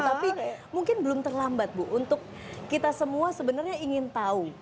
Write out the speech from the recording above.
tapi mungkin belum terlambat bu untuk kita semua sebenarnya ingin tahu